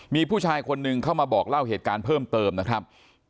มีผู้ชายคนหนึ่งเข้ามาบอกเล่าเหตุการณ์เพิ่มเติมนะครับ